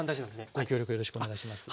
ご協力よろしくお願いします。